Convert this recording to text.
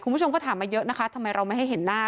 คุณผู้ชมก็ถามมาเยอะนะคะทำไมเราไม่ให้เห็นหน้า